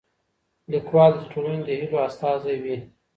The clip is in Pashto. ليکوال د ټولني د هيلو استازی وي.